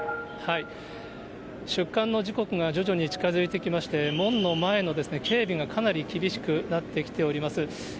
出棺の時刻が徐々に近づいてきまして、門の前の警備がかなり厳しくなってきております。